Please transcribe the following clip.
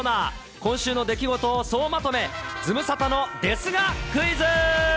今週の出来事を総まとめ、ズムサタのですがクイズ。